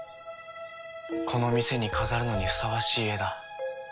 この店に飾るのにふさわしい絵だ。